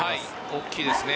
大きいですね。